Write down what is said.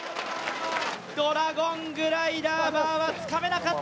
ドラゴングライダーバーはつかめなかった。